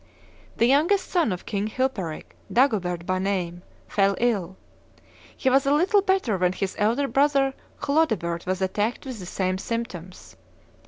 The youngest son of King Chilperic, Dagobert by name, fell ill. He was a little better, when his elder brother Chlodebert was attacked with the same symptoms.